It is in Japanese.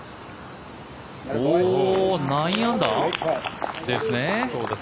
９アンダーですね。